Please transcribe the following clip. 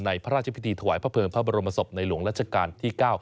พระราชพิธีถวายพระเภิงพระบรมศพในหลวงรัชกาลที่๙